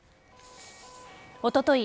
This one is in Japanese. おととい